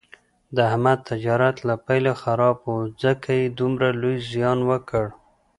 د احمد تجارت له پیله خراب و، ځکه یې دومره لوی زیان وکړ.